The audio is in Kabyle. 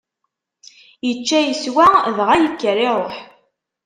Ičča, iswa, dɣa yekker iṛuḥ.